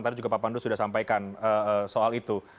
tadi juga pak pandu sudah sampaikan soal itu